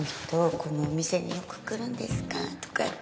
このお店によく来るんですか？とかって